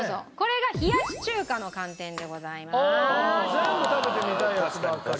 全部食べてみたいやつばっかり。